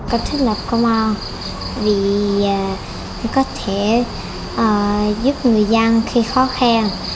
có thích lập công an vì có thể giúp người dân khi khó khăn